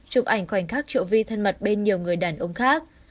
chụp ảnh khoảnh khắc triệu vi thân mật bên nhiều người đàn ông khác